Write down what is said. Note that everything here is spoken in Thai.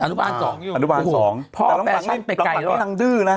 แต่หลังจากนี่นางดื้อนะ